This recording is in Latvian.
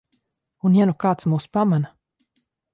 Un ja nu kāds mūs pamana?